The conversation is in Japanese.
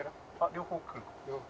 両方来る。